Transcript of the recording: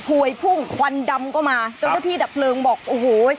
พวยพุ่งควันดำก็มาจริงที่ดับเปลืองบอกโอ้โห